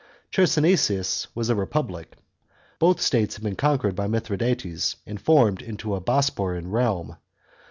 Chersonesus was a republic. Both states had been conquered by Mithradates and formed into a Bosporan realm.